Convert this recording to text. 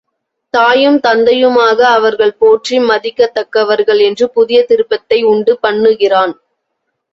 தாயும் தந்தையுமாக அவர்கள் போற்றி மதிக்கத்தக்கவர்கள் என்று புதிய திருப்பத்தை உண்டு பண்ணுகிறான்.